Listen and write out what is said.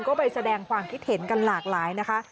ก็ไปแสดงความคิดเห็นกันหลากหลายนะคะ